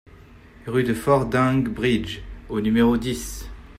Rue de Fordingbridge au numéro dix